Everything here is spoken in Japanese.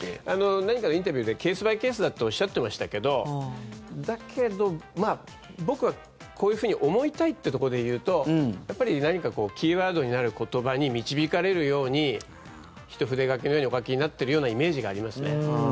何かのインタビューでケース・バイ・ケースだっておっしゃってましたけどだけど、僕はこういうふうに思いたいっていうところで言うとやっぱり何かキーワードになる言葉に導かれるようにひと筆書きのようにお書きになっているようなイメージがありますね。